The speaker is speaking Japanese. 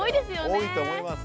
多いと思います。